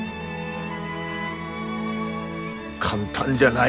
簡単じゃない。